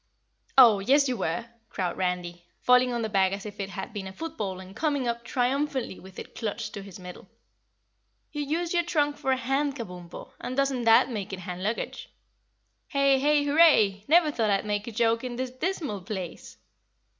"Oh, yes you were!" crowed Randy, falling on the bag as if it had been a football and coming up triumphantly with it clutched to his middle. "You use your trunk for a hand, Kabumpo, and doesn't that make it hand luggage? Hey, hey, hurray! Never thought I'd make a joke in this dismal place!"